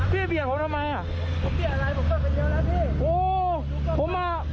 พี่เบียกผมทำไม